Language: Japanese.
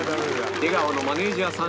出川のマネジャーさん